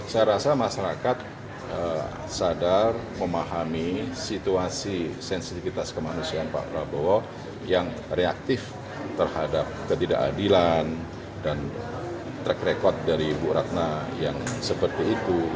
saya rasa masyarakat sadar memahami situasi sensitivitas kemanusiaan pak prabowo yang reaktif terhadap ketidakadilan dan track record dari bu ratna yang seperti itu